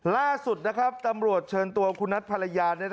ล่าสุดนะครับตำรวจเชิญตัวคุณนัทภรรยา